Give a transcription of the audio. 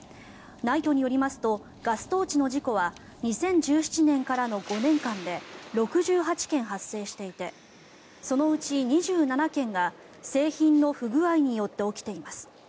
ＮＩＴＥによりますとガストーチの事故は２０１７年からの５年間で６８件発生していてそのうち２７件が製品の不具合によって起きています。